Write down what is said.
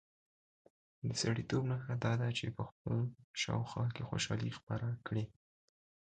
د سړیتوب نښه دا ده چې په خپل شاوخوا کې خوشالي خپره کړي.